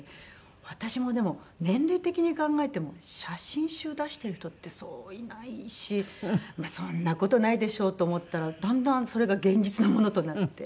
私もでも年齢的に考えても写真集出してる人ってそういないしそんな事ないでしょうと思ったらだんだんそれが現実のものとなって。